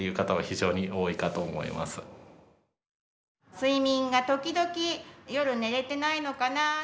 睡眠が時々夜寝れてないのかな。